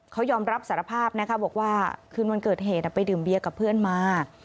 เขายอมรับสารภาพนะคะบอกว่าคืนวันเกิดเหตุไปดื่มเบียร์กับเพื่อนมา